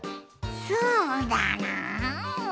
そうだな。